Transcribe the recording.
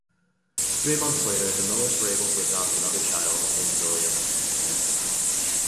Three months later, the Millers were able to adopt another child, named William.